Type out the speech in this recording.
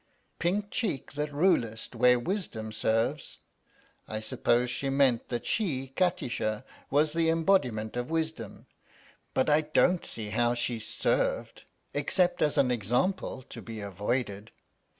Pink cheek that rulest Where wisdom serves. I suppose she meant that she, Kati sha, was the embodiment of Wisdom, but I don't see how she THE STORY OF THE MIKADO " served " except as an example to be avoided.